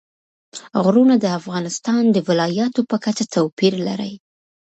غرونه د افغانستان د ولایاتو په کچه توپیر لري.